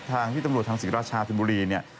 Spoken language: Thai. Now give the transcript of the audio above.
ทางที่ตำรวจทางศรีราชาชนบุรีเนี่ย